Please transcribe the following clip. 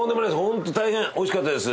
ホント大変美味しかったです。